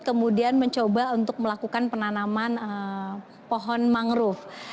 kemudian mencoba untuk melakukan penanaman pohon mangrove